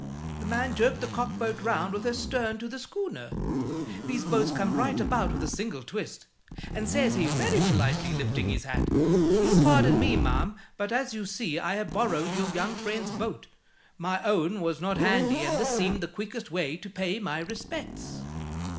"The man jerked the cockboat round with her stern to the schooner these boats come right about with a single twist and says he, very politely lifting his hat, 'You'll pardon me, ma'am, but (as you see) I have borrowed your young friend's boat. My own was not handy, and this seemed the quickest way to pay my respects.'